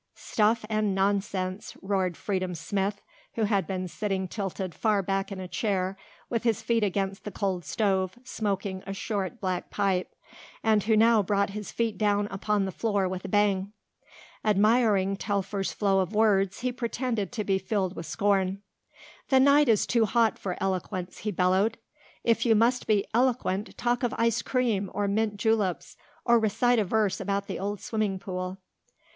"Stuff and nonsense," roared Freedom Smith, who had been sitting tilted far back in a chair with his feet against the cold stove, smoking a short, black pipe, and who now brought his feet down upon the floor with a bang. Admiring Telfer's flow of words he pretended to be filled with scorn. "The night is too hot for eloquence," he bellowed. "If you must be eloquent talk of ice cream or mint juleps or recite a verse about the old swimming pool."